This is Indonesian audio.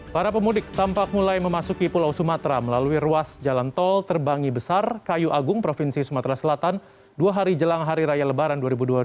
para pemudik tampak mulai memasuki pulau sumatera melalui ruas jalan tol terbangi besar kayu agung provinsi sumatera selatan dua hari jelang hari raya lebaran dua ribu dua puluh